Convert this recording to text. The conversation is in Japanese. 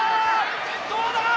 どうだ？